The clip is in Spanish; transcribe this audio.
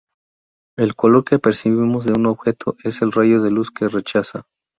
El color que percibimos de un objeto es el rayo de luz que rechaza.